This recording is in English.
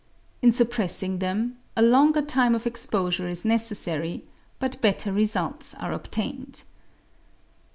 In suppressing them, a longer time of exposure is necessary, but belter results are obtained.